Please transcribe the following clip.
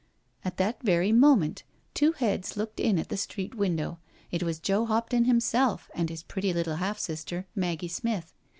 At that very moment two heads looked in at the street window. It was Joe Hopton himself and his pretty little half sister, Maggie Smith.